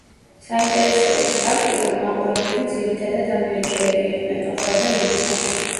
საინტერესოა ის ფაქტი, რომ მაყურებლები ძირითადად ამერიკელები იყვნენო, ყვება ირინა.